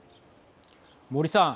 森さん。